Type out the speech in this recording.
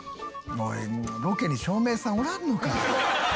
「もうロケに照明さんおらんのか」